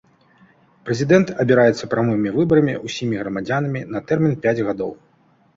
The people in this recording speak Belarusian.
Прэзідэнт абіраецца прамымі выбарамі ўсімі грамадзянамі на тэрмін пяць гадоў.